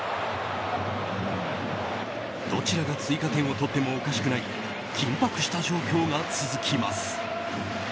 どちらが追加点を取ってもおかしくない緊迫した状況が続きます。